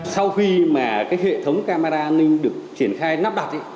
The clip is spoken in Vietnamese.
sau khi mà cái hệ thống camera an ninh được triển khai nắp đặt